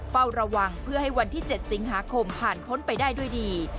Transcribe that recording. เฝ้าระวังเพื่อให้วันที่๗สิงหาคมผ่านพ้นไปได้ด้วยดี